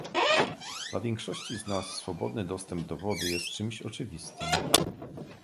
Dla większości z nas swobodny dostęp do wody jest czymś oczywistym